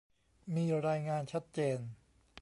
มีรายงานชัดเจน